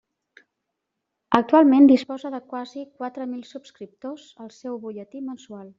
Actualment disposa de quasi quatre mil subscriptors al seu butlletí mensual.